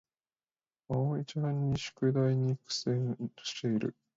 あおいちゃんが宿題に苦戦している